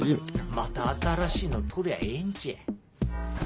また新しいの撮りゃええんじゃ。